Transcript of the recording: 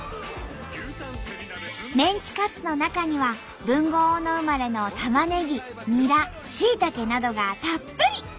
メンチカツの中には豊後大野生まれのたまねぎにらしいたけなどがたっぷり！